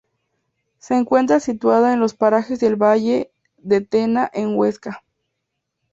Se encuentra situada en los parajes del Valle de Tena en Huesca.